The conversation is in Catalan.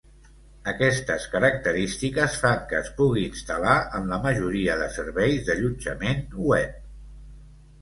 Aquestes característiques fan que es pugui instal·lar en la majoria de serveis d'allotjament web.